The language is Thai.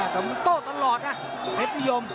โตตลอดนะเพศนิยม